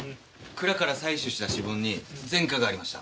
蔵から採取した指紋に前科がありました。